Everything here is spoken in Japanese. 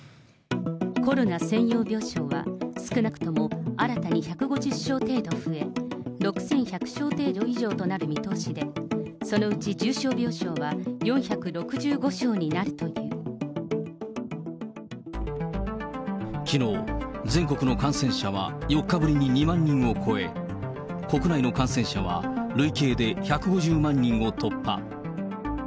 コロナ専用病床は少なくとも新たに１５０床程度増え、６１００床程度となる見込みで、そのうち重症病床は４６５床になきのう、全国の感染者は４日ぶりに２万人を超え、国内の感染者は累計で１５０万人を突破。